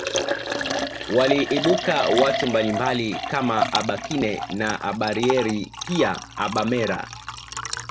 Waliibuka watu mbalimbali kama abakine na abarieri pia abamera